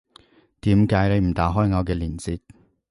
點解你唔打開我嘅鏈接